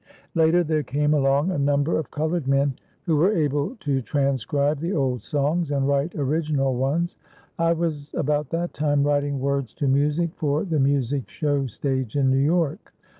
Later there came along a number of colored men who were able to transcribe the old songs and write original ones. I was, about that time, writing words to music for the music show stage in New York.